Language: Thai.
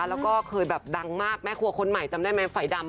แล้วก็เคยแบบดังมากแม่ครัวคนใหม่จำได้ไหมไฟดำ